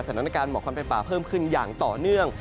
สถานการณ์หมอควันฟันป่าเพิ่มขึ้นอย่างต่อเนื่อง